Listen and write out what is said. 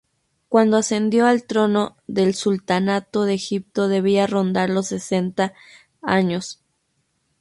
Cuando ascendió al trono del sultanato de Egipto debía rondar los sesenta años.